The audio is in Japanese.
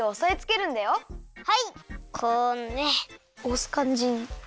おすかんじに。